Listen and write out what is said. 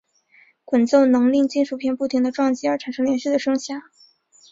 滚奏能令金属片不停地撞击而产生连续的声响。